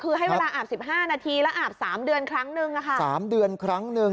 คือให้เวลาอาบ๑๕นาทีแล้วอาบ๓เดือนครั้งหนึ่ง